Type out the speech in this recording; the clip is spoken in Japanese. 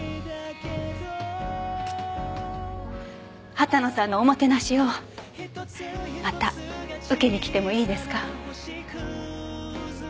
羽田野さんのおもてなしをまた受けに来てもいいですか？